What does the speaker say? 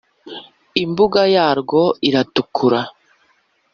imbuga yarwo iratukura